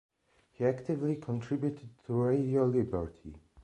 He actively contributed to Radio Liberty.